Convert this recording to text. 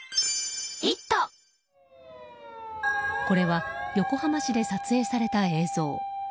これは横浜市で撮影された映像。